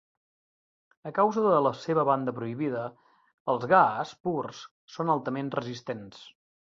A causa de la seva banda prohibida, els GaAs purs són altament resistens.